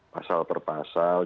pasal per pasal